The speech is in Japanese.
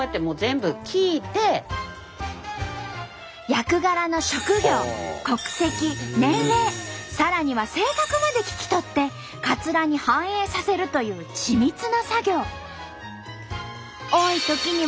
役柄の職業国籍年齢さらには性格まで聞き取ってカツラに反映させるという緻密な作業。